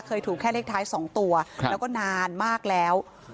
ถูกแค่เลขท้าย๒ตัวแล้วก็นานมากแล้ว